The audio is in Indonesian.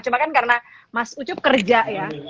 cuma kan karena mas ucup kerja ya